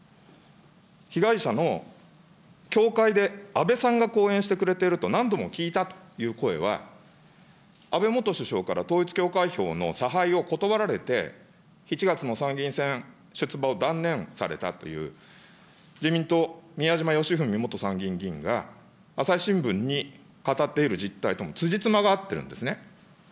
被害者の教会で安倍さんが講演してくれていると、何度も聞いたという声は、安倍元首相から統一教会票の差配を断られて、７月の参議院選出馬を断念されたという、自民党、宮島喜文元参議院議員が朝日新聞に語っている実態ともつじつまが合ってるんですね。